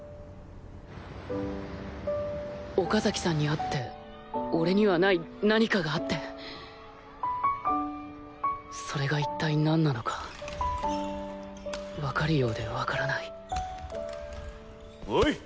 岡崎さんにあって俺にはない何かがあってそれが一体何なのかわかるようでわからないおい！